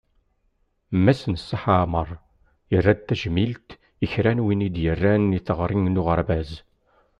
Mass Neṣṣaḥ Ɛmer, yerra tajmilt i kra n win i d-yerran i teɣri n uɣerbaz.